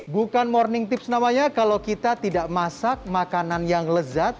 bukan morning tips namanya kalau kita tidak masak makanan yang lezat